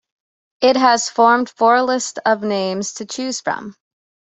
It has formed four lists of names to choose from.